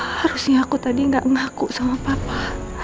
harusnya aku tadi gak ngaku sama papa